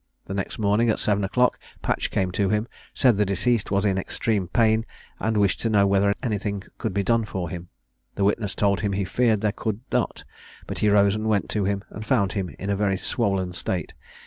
The next morning, at seven o'clock, Patch came to him, said the deceased was in extreme pain, and wished to know whether anything could be done for him. The witness told him he feared there could not; but he rose and went to him, and found him in a very swollen state.